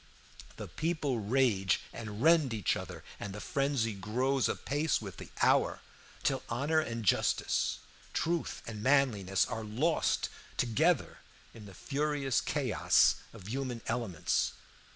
The people rage and rend each other, and the frenzy grows apace with the hour, till honor and justice, truth and manliness, are lost together in the furious chaos of human elements.